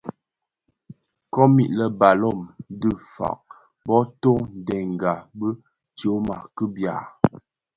Komid lè Balum dhi fag bō toňdènga bi tyoma ti bia.